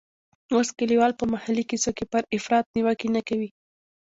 اوس کلیوال په محلي کیسو کې پر افراط نیوکې نه کوي.